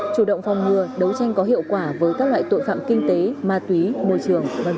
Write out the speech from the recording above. chủ động phòng ngừa đấu tranh có hiệu quả với các loại tội phạm kinh tế ma túy môi trường